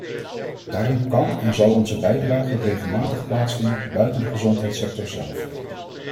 Daarom kan en zal onze bijdrage regelmatig plaatsvinden buiten de gezondheidssector zelf.